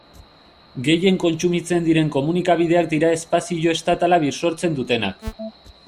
Gehien kontsumitzen diren komunikabideak dira espazio estatala bisortzen dutenak.